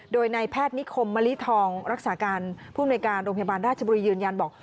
โดยนายแพทย์นิคมมะลิทองรักษาการผู้มนุยการโรงพยาบาลราชบุรียืนยันบอก